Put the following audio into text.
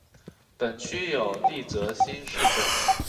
本区有立泽新市镇。